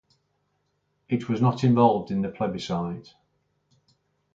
It was not involved in the plebiscite.